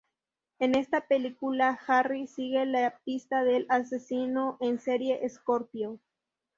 En esta película Harry sigue la pista del asesino en serie Scorpio.